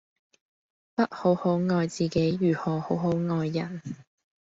不好好愛自己如何好好愛人